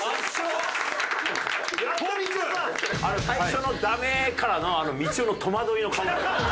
最初の「ダメ！」からのみちおの戸惑いの顔。